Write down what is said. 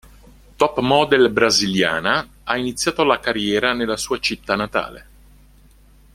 Top model brasiliana, ha iniziato la carriera nella sua città natale.